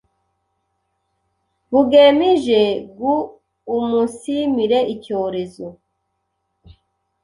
bugemije guumunsimire icyorezo .